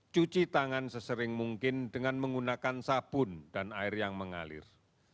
cuci tangan sesering mungkin dengan menggunakan sabun dan air yang mengalir